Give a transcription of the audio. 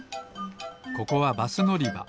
ここはバスのりば。